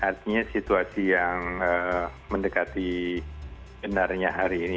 artinya situasi yang mendekati benarnya hari ini